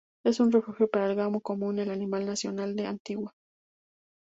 Es un refugio para el Gamo común, el animal nacional de Antigua.